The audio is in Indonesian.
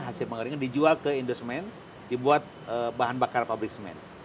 hasil pengeringan dijual ke indosemen dibuat bahan bakar pabrik semen